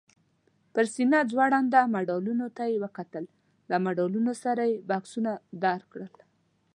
پر سینه ځوړندو مډالونو ته یې وکتل، له مډالونو سره یې بکسونه درکړل؟